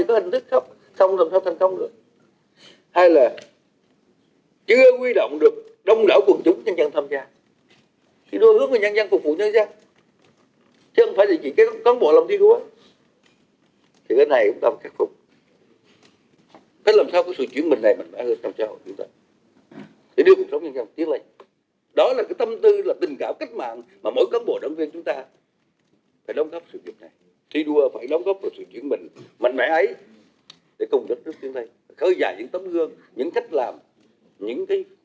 khi đua phải đóng góp sự kiện mình mạnh mẽ ấy để cùng đất nước tiến thay khơi dài những tấm gương những cách làm những cái định hướng để mà đất nước phát triển